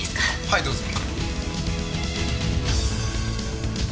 はいどうぞ。